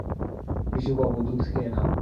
বিশু বাবু, দুধ খেয়ে নাও।